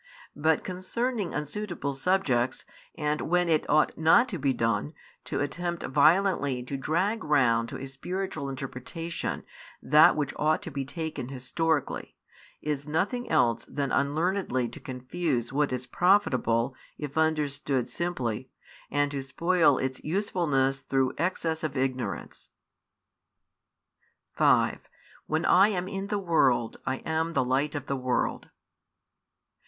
But concerning unsuitable subjects, and when it ought not to be done, to attempt violently to drag round to a spiritual interpretation that which ought to be taken historically, is nothing else than unlearnedly to confuse what is profitable if understood simply, and to spoil its usefulness through excess of ignorance. 5 When I am in the world, I am the Light of the world.